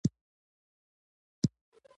تر ټولو مو وختي ځانونه د ورد غاړې ته ورسو.